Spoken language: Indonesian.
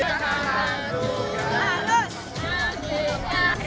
barang juga ganti